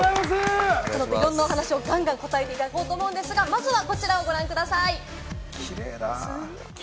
どんどん話をして、ガンガン答えていただこうと思いますが、まずはこちらをご覧ください。